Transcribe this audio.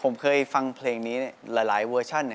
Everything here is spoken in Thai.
ผมเคยฟังเพลงนี้หลายเวอร์ชัน